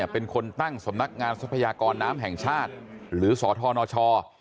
เป็นคนตั้งสำนักงานทรัพยากรน้ำแห่งชาติหรือสธนช